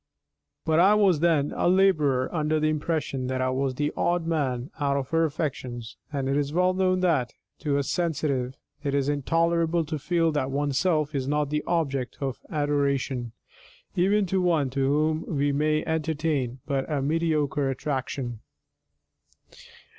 But I was then a labourer under the impression that I was the odd man out of her affections, and it is well known that, to a sensitive, it is intolerable to feel that oneself is not the object of adoration, even to one to whom we may entertain but a mediocre attraction.